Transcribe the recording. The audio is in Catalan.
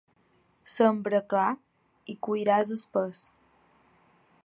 Sembra clar i colliràs espès.